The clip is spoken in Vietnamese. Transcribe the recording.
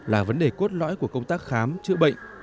là vấn đề cốt lõi của công tác khám chữa bệnh